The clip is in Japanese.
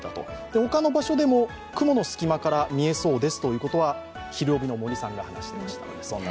ほかの場所でも雲の隙間から見えそうですということは「ひるおび！」の森さんが話していました。